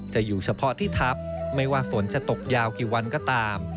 อยู่เฉพาะที่ทัพไม่ว่าฝนจะตกยาวกี่วันก็ตาม